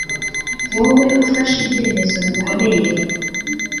Wowe ufashe ibyemezo bikomeye